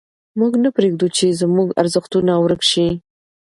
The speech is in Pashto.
موږ نه پرېږدو چې زموږ ارزښتونه ورک سي.